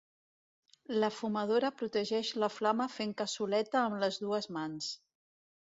La fumadora protegeix la flama fent cassoleta amb les dues mans.